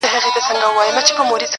هر اندام یې وو له وېري لړزېدلی؛